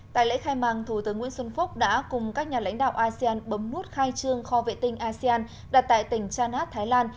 tại lễ khai mạc thủ tướng nguyễn xuân phúc đã cùng các nhà lãnh đạo asean bấm nút khai trương kho vệ tinh asean đặt tại tỉnh chanat thái lan